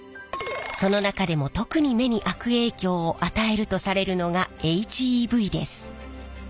その中でも特に目に悪影響を与えるとされるのがＨＥＶです。